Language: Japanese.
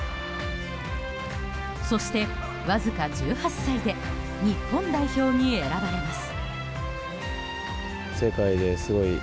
そして、わずか１８歳で日本代表に選ばれます。